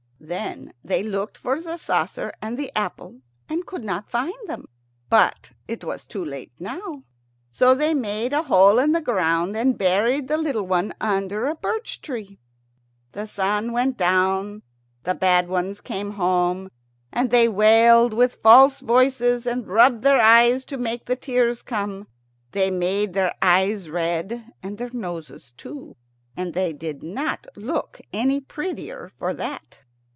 Then they looked for the saucer and the apple, and could not find them. But it was too late now. So they made a hole in the ground, and buried the little one under a birch tree. When the sun went down the bad ones came home, and they wailed with false voices, and rubbed their eyes to make the tears come. They made their eyes red and their noses too, and they did not look any prettier for that.